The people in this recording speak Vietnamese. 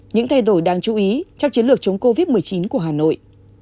những thay đổi đáng chú ý trong chiến lược chống covid một mươi chín của hà nội